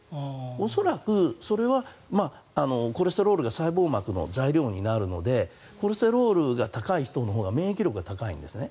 恐らくそれはコレステロールが細胞膜の材料になるのでコレステロールが高い人のほうが免疫力が高いんですね。